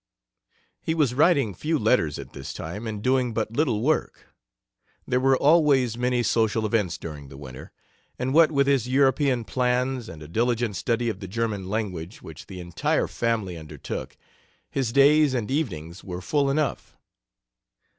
He was writing few letters at this time, and doing but little work. There were always many social events during the winter, and what with his European plans and a diligent study of the German language, which the entire family undertook, his days and evenings were full enough.